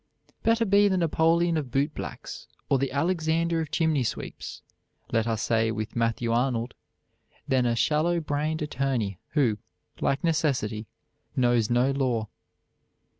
Better be the Napoleon of bootblacks, or the Alexander of chimney sweeps, let us say with Matthew Arnold, than a shallow brained attorney who, like necessity, knows no law.